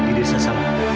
di desa sama